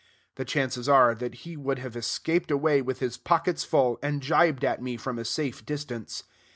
The chances are, that he would have escaped away with his pockets full, and jibed at me from a safe distance.